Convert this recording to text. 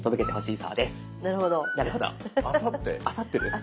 あさってです。